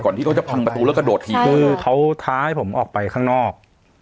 ที่เขาจะพังประตูแล้วกระโดดถีบคือเขาท้าให้ผมออกไปข้างนอก